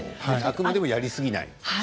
あくまでもやりすぎない。